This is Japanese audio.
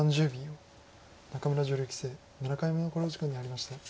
仲邑女流棋聖７回目の考慮時間に入りました。